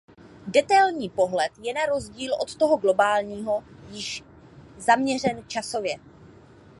Detailní pohled je na rozdíl od toho globálního již zaměřen časově.